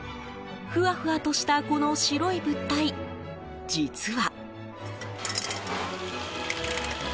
ふわふわとしたこの白い物体、実は。